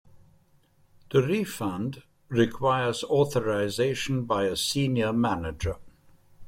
The refund requires authorization by a senior manager.